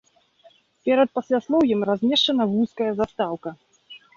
Перад пасляслоўем размешчана вузкая застаўка.